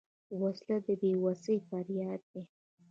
وسله د بېوسۍ فریاد دی